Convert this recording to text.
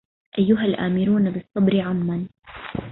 أيها الآمرون بالصبر عمن